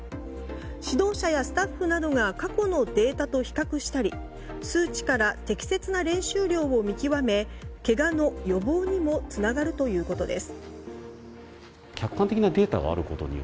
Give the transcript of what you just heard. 指導者やスタッフなどが過去のデータと比較したり数値から適切な練習量を見極めけがの予防にもつながるということです。